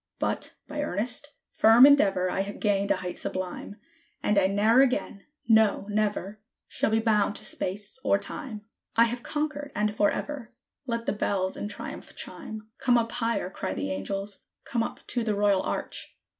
But, by earnest, firm endeavor, I have gained a height sublime; And I ne'er again no, never! shall be bound to Space or Time; I have conquered! and forever! Let the bells in triumph chime! "Come up higher!" cry the angels: "come up to the Royal Arch!